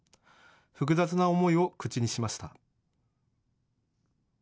複雑な思いを口にしました。